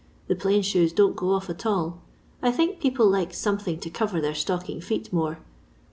The plain shoes don*t go off at all. I think people likes something to cover their stocking feet more.